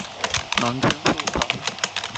農村戶口